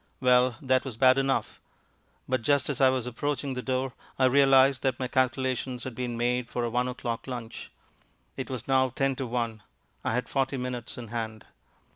Well, that was bad enough. But, just as I was approaching the door, I realized that my calculations had been made for a one o'clock lunch. It was now ten to one; I had forty minutes in hand.